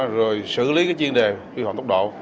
rồi xử lý chuyên đề vi phạm tốc độ